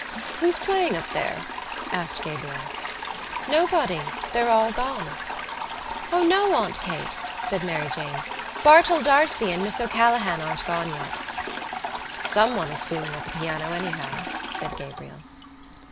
"Who's playing up there?" asked Gabriel. "Nobody. They're all gone." "O no, Aunt Kate," said Mary Jane. "Bartell D'Arcy and Miss O'Callaghan aren't gone yet." "Someone is fooling at the piano anyhow," said Gabriel.